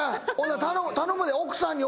頼むで。